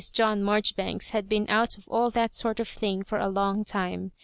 John Marjoribanks had been out of all that sort of thing for a long time.